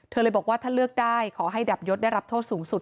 เลยบอกว่าถ้าเลือกได้ขอให้ดับยศได้รับโทษสูงสุด